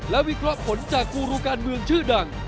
และวิเคราะห์ผลจากกูรูการเมืองชื่อดัง